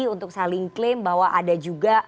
untuk saling klaim bahwa ada juga